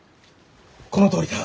このとおりだ。